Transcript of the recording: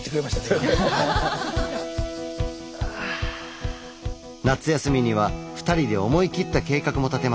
夏休みには２人で思い切った計画も立てました。